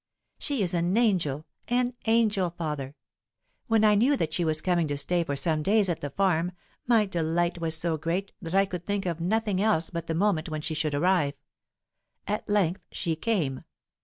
"She is an angel an angel, father. When I knew that she was coming to stay for some days at the farm, my delight was so great that I could think of nothing else but the moment when she should arrive. At length she came.